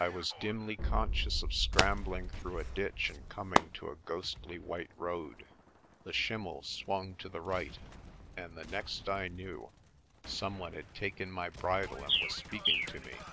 I was dimly conscious of scrambling through a ditch and coming to a ghostly white road. The schimmel swung to the right, and the next I knew some one had taken my bridle and was speaking to me.